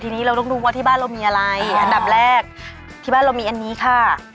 ทีนี้เราต้องดูว่าที่บ้านเรามีอะไรอันดับแรกที่บ้านเรามีอันนี้ค่ะ